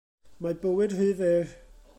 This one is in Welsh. Mae bywyd rhy fyr.